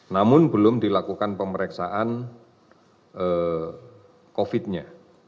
namun belum dilakukan pemeriksaan covid sembilan belas nya